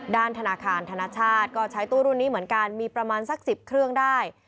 ธนาคารธนชาติก็ใช้ตู้รุ่นนี้เหมือนกันมีประมาณสัก๑๐เครื่องได้